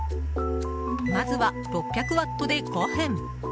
まずは６００ワットで５分。